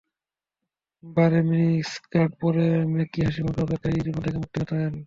বারে মিনিস্কার্ট পরে মেকি হাসিমুখে অপেক্ষার জীবন থেকে মুক্তি পেতাম।